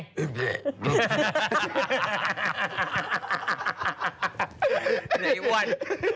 ให้อ่อน